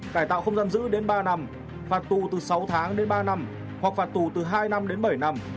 cải tạo không giam giữ đến ba năm phạt tù từ sáu tháng đến ba năm hoặc phạt tù từ hai năm đến bảy năm